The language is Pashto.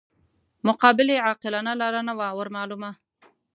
مقابلې عاقلانه لاره نه وه ورمعلومه.